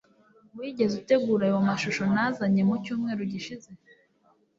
Wigeze utegura ayo mashusho nazanye mu cyumweru gishize